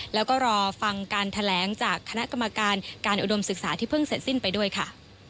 แล้วก็รอฟังการแถลงจากคณะกรรมการการอุดมศึกษาที่เพิ่งเสร็จสิ้นไปด้วยค่ะ